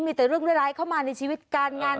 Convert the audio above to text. มีแต่เรื่องร้ายเข้ามาในชีวิตการงาน